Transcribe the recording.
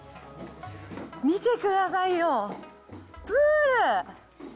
見てくださいよ、プール。